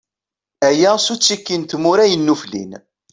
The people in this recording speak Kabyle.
Aya, s uttiki n tmura yennuflin.